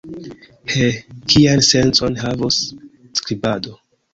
He, kian sencon havos skribado!